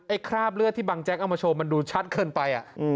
คราบเลือดที่บางแจ๊กเอามาโชว์มันดูชัดเกินไป